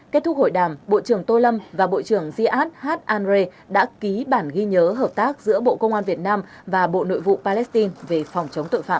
kết thúc hội đàm bộ trưởng tô lâm và bộ trưởng diát hát an rê đã ký bản ghi nhớ hợp tác giữa bộ công an việt nam và bộ nội vụ palestine về phòng chống tội phạm